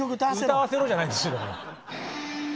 「歌わせろ」じゃないんですよ。